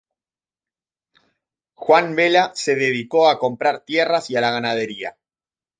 Juan Vela se dedicó a comprar tierras y a la ganadería.